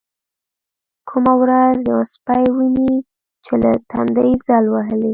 کومه ورځ يو سپى ويني چې له تندې ځل وهلى.